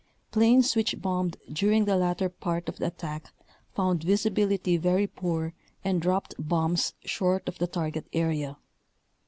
Planes which bombed during the latter part of the attack found visi bility very poor and dropped bombs short of the target area.